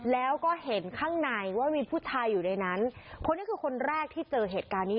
แล้วก็เห็นข้างในว่ามีผู้ชายอยู่ในนั้นคนนี้คือคนแรกที่เจอเหตุการณ์นี้